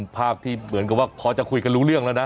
ภาพที่เหมือนกับว่าพอจะคุยกันรู้เรื่องแล้วนะ